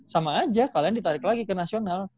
sama aja kalian ditarik lagi ke nasional